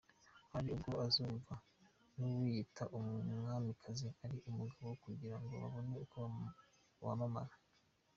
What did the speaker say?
Hari n’ubwo uzumva n’uwiyita umwamikazi ari umugabo kugira ngo babone uko bamamara.